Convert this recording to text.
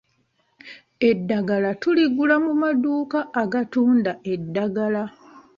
Eddagala tuligula mu maduuka agatunda eddagala.